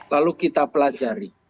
lalu kita pelajari